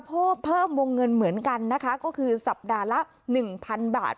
เพิ่มวงเงินเหมือนกันนะคะก็คือสัปดาห์ละ๑๐๐๐บาท